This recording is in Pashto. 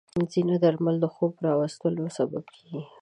ځینې درمل د خوب راوستلو سبب کېږي.